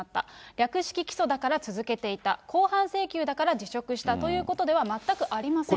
略式起訴だから続けていた、公判請求だから辞職したということでは全くありませんと。